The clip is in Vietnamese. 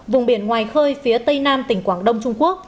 vùng biển ngoài khơi phía tây nam tỉnh quảng đông trung quốc